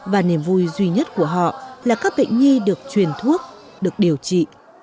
và niềm vui duy nhất của họ là các bệnh nhi được truyền thuốc được điều trị